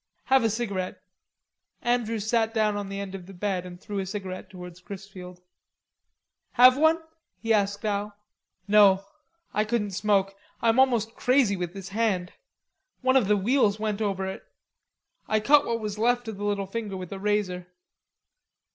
"Have a cigarette." Andrews sat down on the foot of the bed and threw a cigarette towards Chrisfield. "Have one?" he asked Al. "No. I couldn't smoke. I'm almost crazy with this hand. One of the wheels went over it.... I cut what was left of the little finger off with a razor."